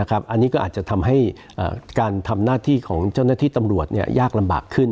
อันนี้ก็อาจจะทำให้การทำหน้าที่ของเจ้าหน้าที่ตำรวจยากลำบากขึ้น